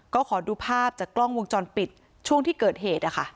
ก็ขอดูภาพจากกล้องวงจรปิดช่วงที่เกิดเหตุ